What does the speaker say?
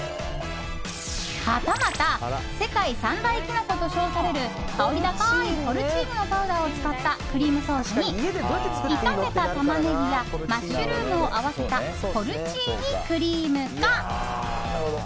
はたまた世界三大キノコと称される香り高いポルチーニのパウダーを使ったクリームソースに炒めたタマネギやマッシュルームを合わせたポルチーニクリームか。